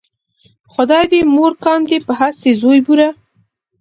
خدای دې مور کاندې په هسې زویو بوره